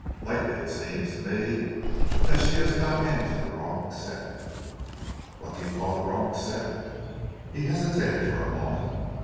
Lately it seems to me that she has got into the wrong set." "What do you call the wrong set?" He hesitated for a moment.